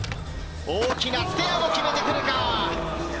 大きなステアを決めてくるか？